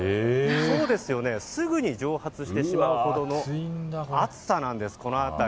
すぐに蒸発してしまうほどの暑さなんです。